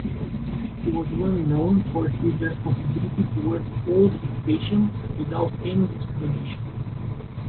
He was well known for his responsibility towards all his patients without any discrimination.